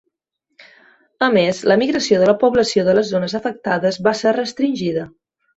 A més, la migració de la població de les zones afectades va ser restringida.